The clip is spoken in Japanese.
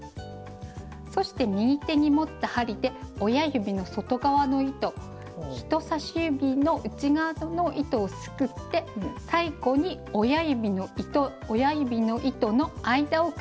そして右手に持った針で親指の外側の糸人さし指の内側の糸をすくって最後に親指の糸の間をくぐらせます。